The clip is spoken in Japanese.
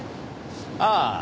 ああ。